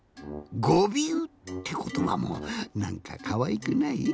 ごびゅうってことばもなんかかわいくない？